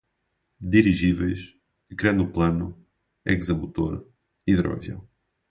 Dirigíveis, ecranoplano, hexamotor, hidroavião